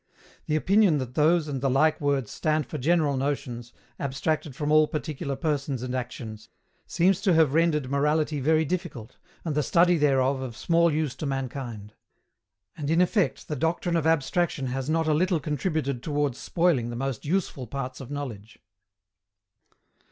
The opinion that those and the like words stand for general notions, abstracted from all particular persons and actions, seems to have rendered morality very difficult, and the study thereof of small use to mankind. And in effect the doctrine of abstraction has not a little contributed towards spoiling the most useful parts of knowledge.